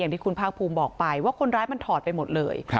ที่คุณภาคภูมิบอกไปว่าคนร้ายมันถอดไปหมดเลย